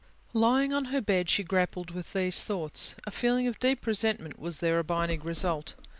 Lying on her bed, she grappled with these thoughts. A feeling of deep resentment was their abiding result.